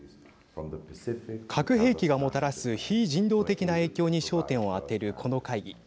核兵器がもたらす非人道的な影響に焦点を当てる、この会議。